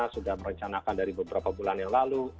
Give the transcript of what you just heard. sudah merencanakan dari beberapa bulan yang lalu